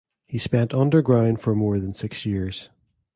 He spent underground for more than six years.